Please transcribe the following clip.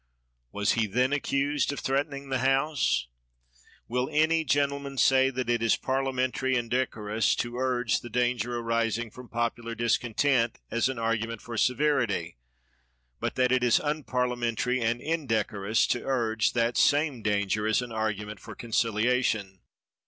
Was he then accused of threatening the House ? Will any gentleman say that it is parliamentary and decorous to urge the danger arising from popular discontent as an argument for severity'; but that it is unpar liamentary and indecorous to urge that same danger as an argument for conciliation?